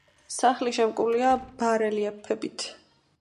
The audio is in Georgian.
სახლი შემკულია ბარელიეფებით.